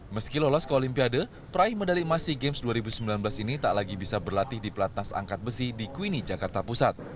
meski lolos ke olimpiade peraih medali emas sea games dua ribu sembilan belas ini tak lagi bisa berlatih di pelatnas angkat besi di quine jakarta pusat